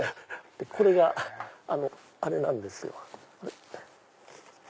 これがあれなんですよ。